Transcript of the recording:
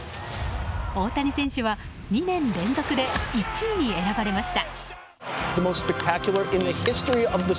大谷選手は２年連続で１位に選ばれました。